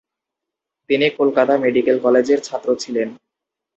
তিনি কলকাতা মেডিক্যাল কলেজের ছাত্র ছিলেন।